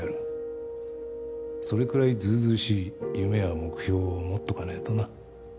それくらいずうずうしい夢や目標を持っとかねえとな。